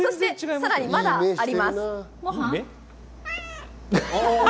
さらにまだあります。